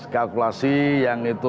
kalkulasi yang itu